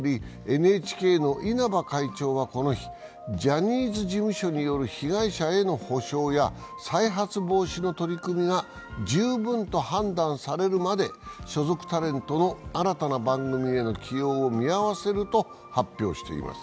ＮＨＫの稲葉会長はこの日ジャニーズ事務所による被害者への補償や、再発防止の取り組みが十分と判断されるまで所属タレントの新たな番組への起用を見合わせると発表しています。